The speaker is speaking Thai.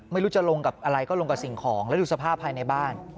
ไม่รู้จะลงกับอะไรก็ลงกับสิ่งของแล้วดูสภาพภายในบ้าน